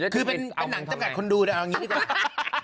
คือเป็นหนังจำกัดคนดูแต่เอาอย่างนี้ดีกว่า